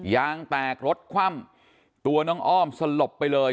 ยางแตกรถคว่ำตัวน้องอ้อมสลบไปเลย